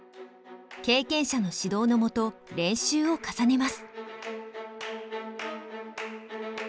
経験者の指導のもと練習を重ねます。